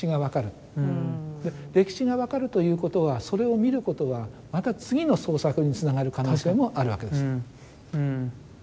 歴史が分かるということはそれを見ることはまた次の創作につながる可能性もあるわけですね。